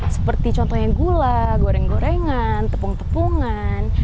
seperti contohnya gula goreng gorengan tepung tepungan